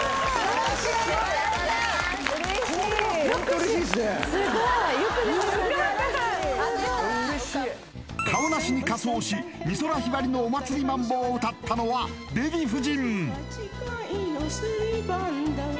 嬉しいカオナシに仮装し美空ひばりの「お祭りマンボ」を歌ったのはデヴィ夫人